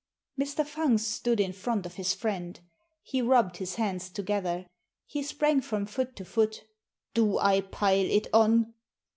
Mr. Fungst stood in front of his friend. He rubbed his hands together. He sprang from foot to foot "Do I pile it on?"